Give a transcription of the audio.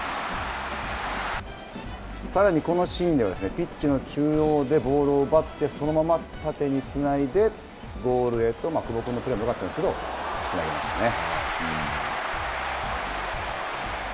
さらに、このシーンでは、ピッチの中央で、ボールを奪ってそのまま縦につないで、ゴールへと久保君のプレーもよかったんですけど、つなげましたね。